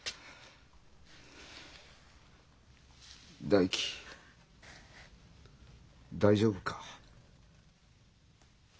大樹大丈夫か？